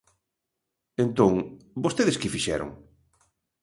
Entón, ¿vostedes que fixeron?